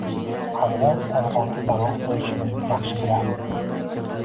Afg’on afg’onga panoh bo’lishini yaxshi bilardi.